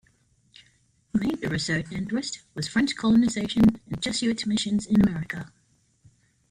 A major research interest was French colonization and Jesuit missions in America.